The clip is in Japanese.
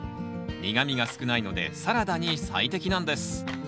苦みが少ないのでサラダに最適なんです